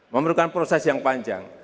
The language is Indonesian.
memerlukan proses yang panjang